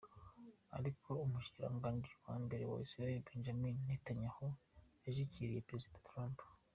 Ariko umushikiranganji wa mbere wa Israel Benjamin Netanyahu yashigikiye prezida Trump.